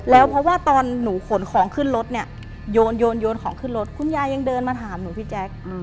แล้วเพราะว่าตอนหนูขนของขึ้นรถเนี่ยโยนของขึ้นรถคุณยายยังเดินมาถามหนูพี่แจ๊ค